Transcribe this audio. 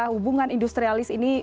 hubungan industrialis ini